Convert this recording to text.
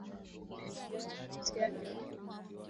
Sijawahi kumsikia akiongea